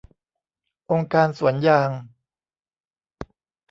องค์การสวนยาง